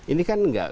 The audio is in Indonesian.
ini kan enggak